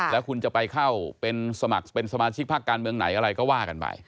แล้วคุณจะไปเข้าเป็นสมาชิกภักดิ์การเมืองไหนอะไรก็ว่ากันไป